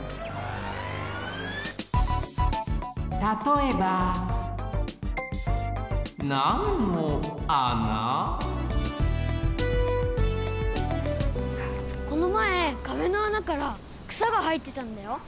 たとえばこのまえかべの穴からくさがはえてたんだよ。